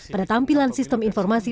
pada tampilan sistem informasi